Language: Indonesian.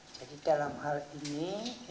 jadi dalam hal ini